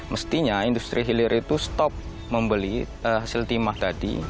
mestinya industri hilir itu stop membeli hasil timah tadi